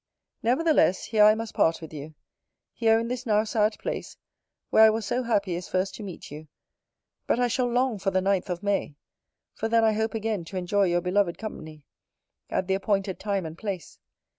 Nevertheless, here I must part with you; here in this now sad place, where I was so happy as first to meet you: but I shall long for the ninth of May; for then I hope again to enjoy your beloved company, at the appointed time and place.